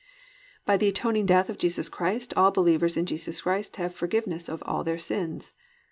3. _By the atoning death of Jesus Christ all believers in Jesus Christ have forgiveness of all their sins.